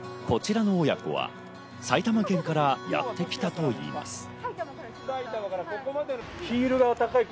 こちらの親子は埼玉県からやってきたといいます。